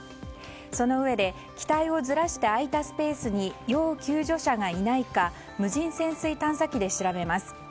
そのうえで、機体をずらして空いたスペースに要救助者がいないか無人潜水探査機で調べます。